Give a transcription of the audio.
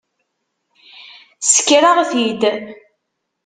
Sskreɣ-t-id.